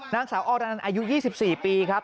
นางสาวอรนันอายุ๒๔ปีครับ